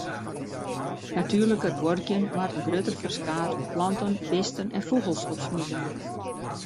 Natuerliker buorkjen moat in grutter ferskaat oan planten, bisten en fûgels opsmite.